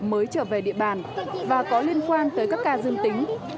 mới trở về địa bàn và có liên quan tới các ca dương tính